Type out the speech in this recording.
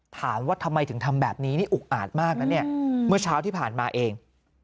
ถามว่าทำไมถึงทำแบบนี้นี่อุกอาจมากนะเนี่ยเมื่อเช้าที่ผ่านมาเอง